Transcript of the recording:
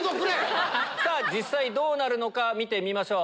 実際どうなるのか見てみましょう。